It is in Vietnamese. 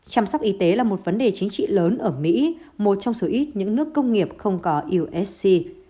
chăm sóc y tế là một vấn đề chính trị lớn ở mỹ một trong số ít những nước công nghiệp không có usc